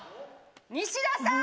西田さん！